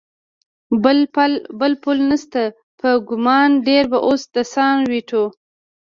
بل پل نشته، په ګمان ډېر به اوس د سان وېټو.